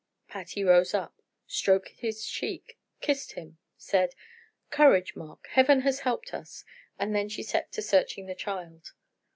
Patty rose up, stroked his cheek, kissed him, said: "Courage, Mark! Heaven has helped us!" and then she set to searching the child.